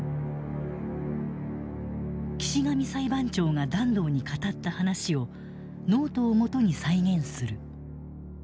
岸上裁判長が團藤に語った話をノートをもとに再現する。